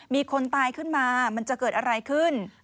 มีคนตายขึ้นมามันจะเกิดอะไรขึ้น